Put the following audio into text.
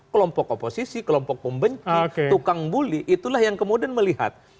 kelompok oposisi kelompok pembenci tukang buli itulah yang kemudian melihat